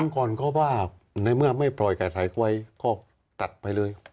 ตั้งก่อนก็ว่าในเมื่อไม่ปล่อยกระแทกไว้ก็ตัดไปเลย